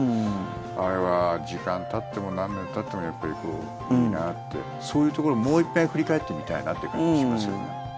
あれは時間たっても何年たってもやっぱりいいなってそういうところをもう一遍振り返ってみたいなっていう感じがしますよね。